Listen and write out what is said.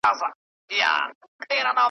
هري خواته وه آسونه ځغلېدله .